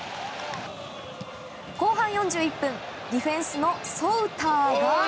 後半４１分、ディフェンスのソウターが。